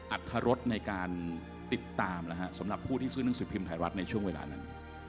อรรถรสในการติดตามสำหรับผู้ที่ซื้อหนังสือพิมพ์ไทยรัฐในช่วงเวลานั้น